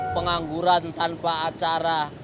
pengangguran tanpa acara